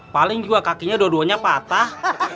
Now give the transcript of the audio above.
paling juga kakinya dua duanya patah